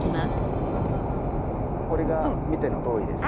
これが見てのとおりですね。